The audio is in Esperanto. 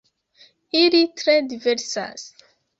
Ili tre diversas.